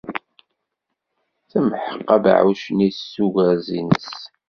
Temḥeq abeɛɛuc-nni s ugerz-nnes.